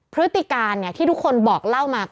พฤติการที่ทุกคนบอกเล่ามา